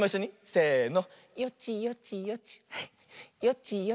せの。